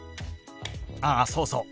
あっそうそう。